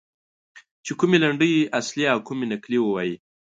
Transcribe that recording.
چې کومې لنډۍ اصلي او کومې نقلي ووایي.